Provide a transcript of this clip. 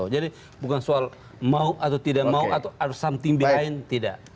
jadi bukan soal mau atau tidak mau atau ada sesuatu yang berbeda